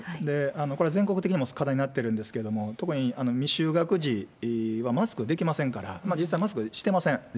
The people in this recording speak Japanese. これは全国的にも課題になってるんですけれども、特に未就学児はマスクできませんから、実際マスクしてません。